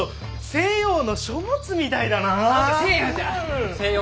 西洋の書物みたいだな！